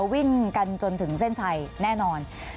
วิ่งกันจนถึงเส้นชัยแน่นอน